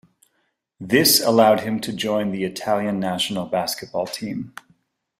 This allowed him to join the Italian national basketball team.